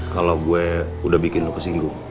kalo gua udah bikin lo kesinggung